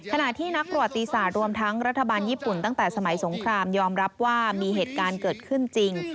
ขณะที่นักประวัติศาสตร์รวมทั้งรัฐบาลญี่ปุ่นตั้งแต่สมัยสงครามยอมรับว่ามีเหตุการณ์เกิดขึ้นจริง